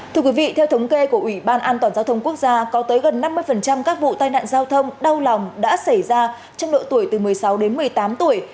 thưa quý vị theo thống kê của ủy ban an toàn giao thông quốc gia có tới gần năm mươi các vụ tai nạn giao thông đau lòng đã xảy ra trong độ tuổi từ một mươi sáu đến một mươi tám tuổi